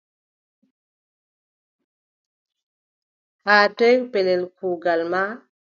Haa toy pellel kuugal ma ?